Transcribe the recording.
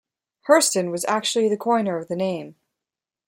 Hurston was actually the coiner of the name.